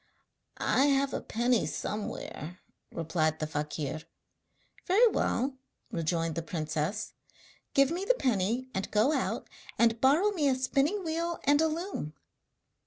'I have a penny somewhere,' replied the fakir. 'Very well,' rejoined the princess, 'give me the penny and go out and borrow me a spinning wheel and a loom.'